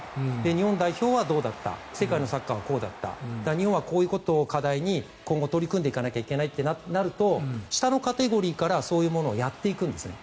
日本代表はどうだった世界のサッカーはこうだった日本はこういうことを課題に今後、取り組んでいかなきゃいけないとなると下のカテゴリーからそういうものをやっていくんですね。